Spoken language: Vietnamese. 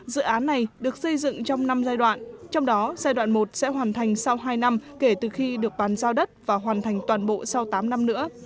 dự án này được xây dựng trong năm giai đoạn trong đó giai đoạn một sẽ hoàn thành sau hai năm kể từ khi được bàn giao đất và hoàn thành toàn bộ sau tám năm nữa